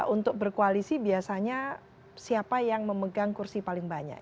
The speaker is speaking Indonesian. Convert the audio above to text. untuk berkoalisi biasanya siapa yang memegang kursi paling banyak